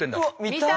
見たい。